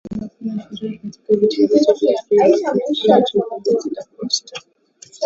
kwamba hakuna sheria katika vitongoji vya Rio amesema Joel Luiz da Costa